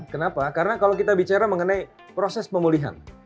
kenapa karena kalau kita bicara mengenai proses pemulihan